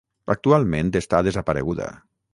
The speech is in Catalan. Actualment està desapareguda.